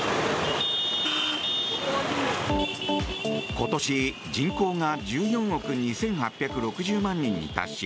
今年、人口が１４億２８６０万人に達し